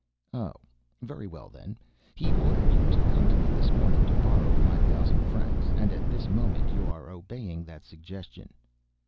"Oh! Very well then; he ordered you to come to me this morning to borrow five thousand francs, and at this moment you are obeying that suggestion."